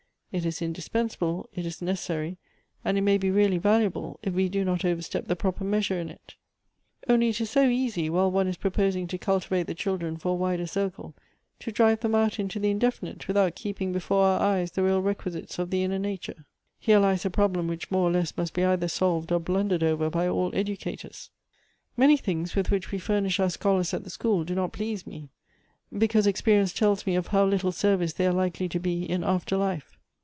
It is indispensable, it is necessary, and it may be really valuable, if we do not overstep the proper measure in it. Only it is so easy, while one is proposing to cultivate the children for a wider circle, to drive them' out into the indefinite, without keeping before our eyes the real requisites of the inner nature. Here 220 Goethe's lies the problem which more or less must be either solved or blundered over by all educators. " Many things, with which we furnish our scholars at the school, do not please me ; because experience tells me of how little service they are likely to be in after life.